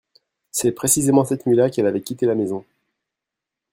c'est précisément cette nuit-là qu'elle avait quitté la maison.